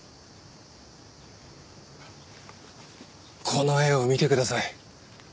この絵を見てください。